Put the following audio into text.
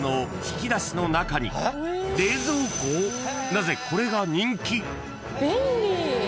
［なぜこれが人気？］